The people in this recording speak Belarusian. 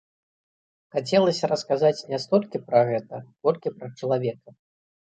Хацелася расказаць не столькі пра паэта, колькі пра чалавека.